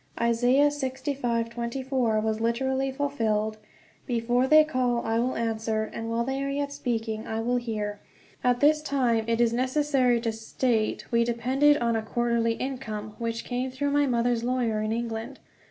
Isaiah 65:24 was literally fulfilled: "Before they call, I will answer; and while they are yet speaking, I will hear." At that time, it is necessary to state, we depended on a quarterly income, which came through my mother's lawyer in England.